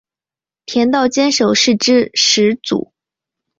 田道间守是之始祖。